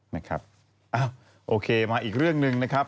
นะครับอ้าวโอเคมาอีกเรื่องหนึ่งนะครับ